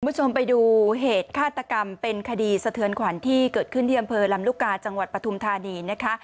คุณผู้ชมไปดูเหตุฆาตกรรมเป็นคดีสะเทือนขวัญที่เกิดขึ้นที่อำเภอลำลูกกาจังหวัดปฐุมธานีนะคะ